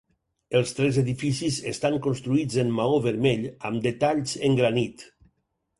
Els tres edificis estan construïts en maó vermell amb detalls en granit.